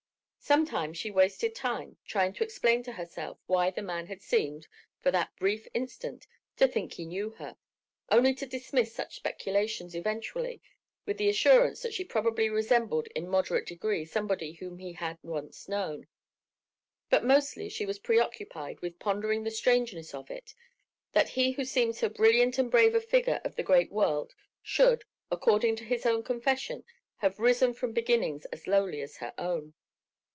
Sometimes she wasted time trying to explain to herself why the man had seemed, for that brief instant, to think he knew her, only to dismiss such speculations eventually with the assurance that she probably resembled in moderate degree somebody whom he had once known. But mostly she was preoccupied with pondering the strangeness of it, that he who seemed so brilliant and brave a figure of the great world should, according to his own confession, have risen from beginnings as lowly as her own.